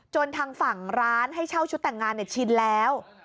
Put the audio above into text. ทางฝั่งร้านให้เช่าชุดแต่งงานชินแล้ว